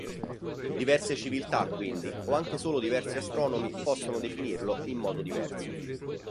Diverse civiltà, quindi, o anche solo diversi astronomi possono definirlo in modo diverso.